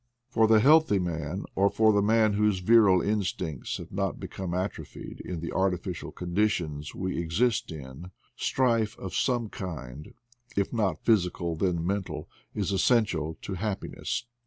For the healthy man, or for the man whose virile instincts have not become atrophied in the artificial conditions we exist in, strife of some kind, if not physical then mental, is essential to happiness.